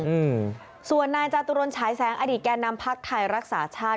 อืมส่วนนายจาตุรนฉายแสงอดีตแก่นำพักไทยรักษาชาติ